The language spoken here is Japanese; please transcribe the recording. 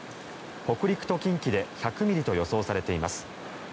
北陸と近畿で１００ミリと予想されています。